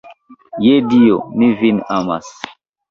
Je Dio, mi vin amas.